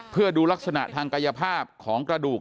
เพื่อดูลักษณะทางกายภาพของกระดูก